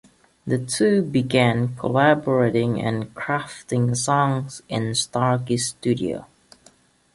The two began collaborating and crafting songs in Starkey's studio.